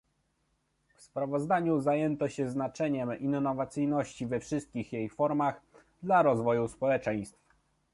W sprawozdaniu zajęto się znaczeniem innowacyjności, we wszystkich jej formach, dla rozwoju społeczeństw